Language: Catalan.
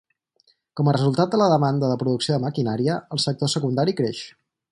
Com a resultat de la demanda de producció de maquinària, el sector secundari creix.